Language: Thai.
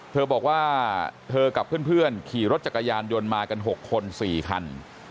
เธอบอกว่าเธอกับเพื่อนขี่รถจักรยานยนต์มากัน๖คน๔คัน